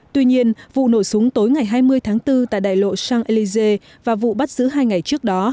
tuy nhiên vụ nổ súng tối ngày hai mươi tháng bốn tại đại lộ champs élysées và vụ bắt giữ hai ngày trước đó